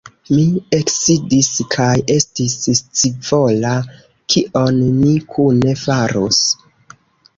Mi eksidis kaj estis scivola, kion ni kune farus.